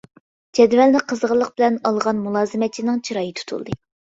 جەدۋەلنى قىزغىنلىق بىلەن ئالغان مۇلازىمەتچىنىڭ چىرايى تۇتۇلدى.